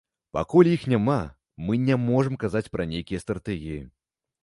Пакуль іх няма, мы не можам казаць пра нейкія стратэгіі.